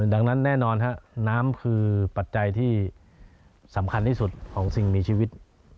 ดังนั้นแน่นอนครับน้ำคือปัจจัยที่สำคัญที่สุดของสิ่งมีชีวิต